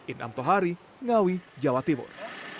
inam tohari ngawi jawa timur